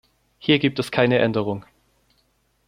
Hier gibt es keine Änderung.